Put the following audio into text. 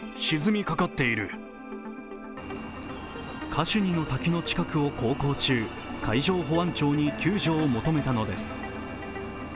カシュニの滝の近くを航行中、海上保安庁に救助を求めたのです。